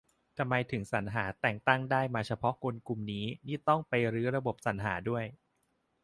ทำไมถึงสรรหาแต่งตั้งได้มาเฉพาะคนกลุ่มนี้ นี่ต้องไปรื้อระบบสรรหาด้วย